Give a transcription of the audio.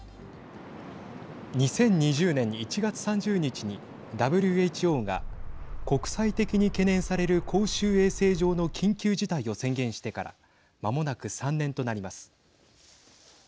２０２０年１月３０日にＷＨＯが国際的に懸念される公衆衛生上の緊急事態を宣言してからまもなく３年となります。